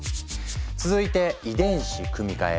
続いて遺伝子組み換え。